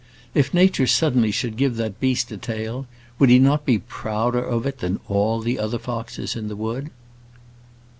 If nature suddenly should give that beast a tail, would he not be prouder of it than all the other foxes in the wood?"